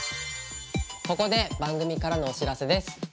ここで番組からのお知らせです。